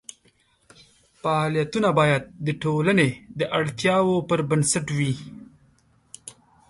فعالیتونه باید د ټولنې د اړتیاوو پر بنسټ وي.